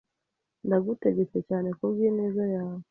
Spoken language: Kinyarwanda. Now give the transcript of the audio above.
Ndagutegetse cyane kubwineza yawe.